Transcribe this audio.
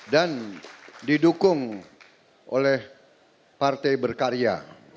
dan didukung oleh partai berkarya